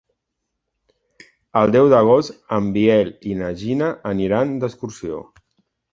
El deu d'agost en Biel i na Gina aniran d'excursió.